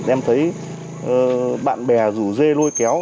em thấy bạn bè rủ dê lôi kéo